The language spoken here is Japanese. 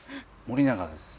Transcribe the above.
森永です。